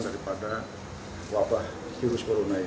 daripada wabah virus corona ini